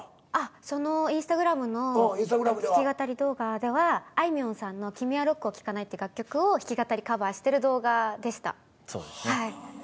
そのＩｎｓｔａｇｒａｍの弾き語り動画ではあいみょんさんの「君はロックを聴かない」って楽曲を弾き語りカバーしてる動画でしたはい。